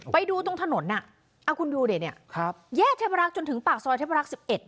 ไปดูตรงถนนน่ะเอาคุณดูเดนี่แยกเทพรักษ์จนถึงปากซอยเทพรักษ์๑๑นะคะ